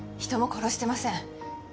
人も殺してません。